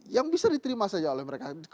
yang bisa diterima saja oleh mereka